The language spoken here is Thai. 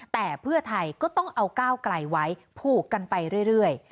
แต่เพื่อไทยก็ต้องเอาก้าวไกลไว้ผูกกันไปเรื่อย